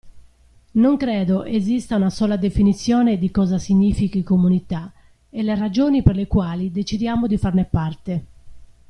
Non credo esista una sola definizione di cosa significhi comunità e le ragioni per le quali decidiamo di farne parte.